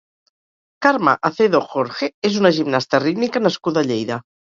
Carme Acedo Jorge és una gimnasta rítmica nascuda a Lleida.